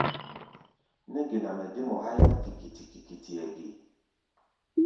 Nɛ́ ge nɛ mɛ dé mɔ háí ná kikiti-kikitiʼɛ ge?